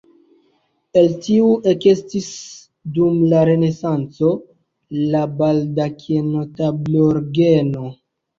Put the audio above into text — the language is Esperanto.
El tiu ekestis dum la renesanco la baldakeno-tablorgeno.